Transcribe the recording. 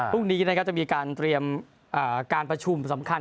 ฮุรุงนี้จะมีการเตรียมการประชุมสำคัญ